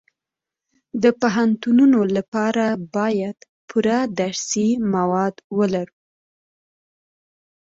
د پوهنتونونو لپاره باید پوره درسي مواد ولرو